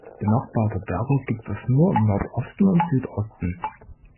Benachbarte Berge gibt es nur im Nordosten und Südosten.